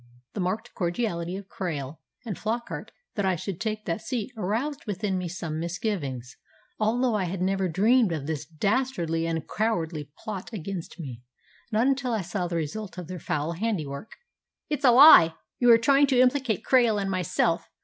The marked cordiality of Krail and Flockart that I should take that seat aroused within me some misgivings, although I had never dreamed of this dastardly and cowardly plot against me not until I saw the result of their foul handiwork." "It's a lie! You are trying to implicate Krail and myself!